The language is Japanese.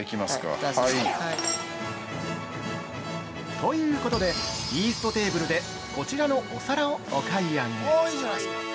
◆ということで、イーストテーブルでこちらのお皿をお買い上げ！